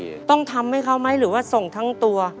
ต้องทำให้เขาไหมหรือว่าส่งทั้งตัว